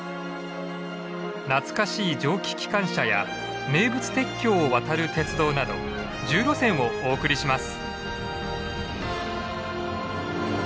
懐かしい蒸気機関車や名物鉄橋を渡る鉄道など１０路線をお送りします。